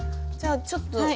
じゃあちょっと。